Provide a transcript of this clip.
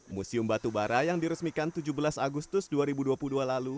museum batubara yang diresmikan tujuh belas agustus dua ribu dua puluh dua lalu